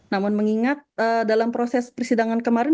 namun mengingat dalam proses persidangan kemarin